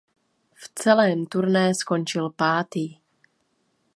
V celém Turné skončil pátý.